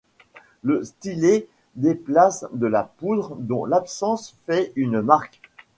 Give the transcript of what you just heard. Le stylet déplace de la poudre dont l'absence fait une marque.